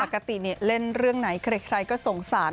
เล่นเรื่องไหนใครก็สงสาร